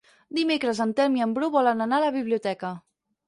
Dimecres en Telm i en Bru volen anar a la biblioteca.